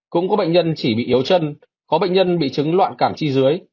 cũng có bệnh nhân chỉ bị yếu chân có bệnh nhân bị chứng loạn cảm chi dưới